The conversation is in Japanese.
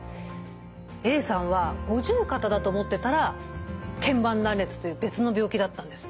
Ａさんは五十肩だと思ってたらけん板断裂という別の病気だったんですね。